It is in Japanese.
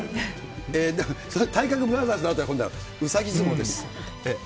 体格ブラザーズのあとは、今度はうさぎ相撲です。